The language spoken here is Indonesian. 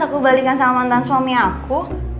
aku balikin sama mantan suami aku